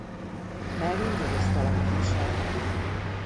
Mellén vörös szalagot viselt.